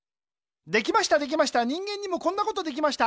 できましたできました人間にもこんなことできました。